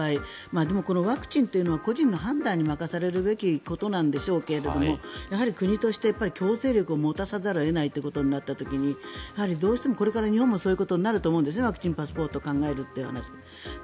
でもワクチンというのは個人の判断に任されるべきなんでしょうけど国として強制力を持たさざるを得ないとなった時にどうしても日本もこれからそういうことにワクチンパスポートを考えるという話で。